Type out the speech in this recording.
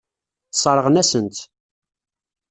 Sseṛɣen-asen-tt.